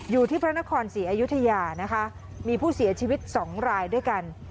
อยู่ที่พระนครศรีอยุธยานะคะมีผู้เสียชีวิต๒รายด้วยกัน